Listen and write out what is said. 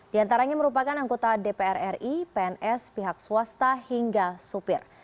di antaranya merupakan anggota dpr ri pns pihak swasta hingga supir